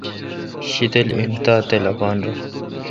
شدل این تاؘ تل اپان رل